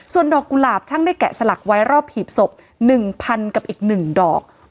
ส่วนดอกกุหลาบช่างได้แกะสลักไว้รอบหีบศพ๑๐๐๐กับอีก๑ดอก